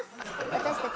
私たち